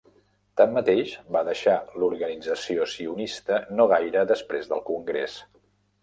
Tanmateix, va deixar l'Organització Sionista no gaire després del Congrés.